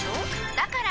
だから！